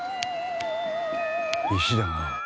石だな。